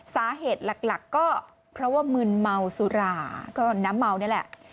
สาเหตุหลักก็เพราะว่ามึนเมาสุราก็น้ำเมานี่แหละ